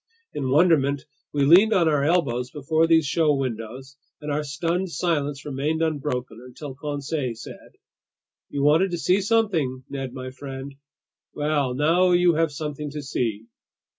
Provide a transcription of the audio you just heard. In wonderment, we leaned on our elbows before these show windows, and our stunned silence remained unbroken until Conseil said: "You wanted to see something, Ned my friend; well, now you have something to see!"